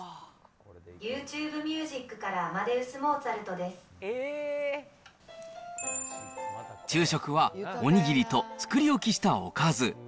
ユーチューブミュージックから、昼食はおにぎりと作り置きしたおかず。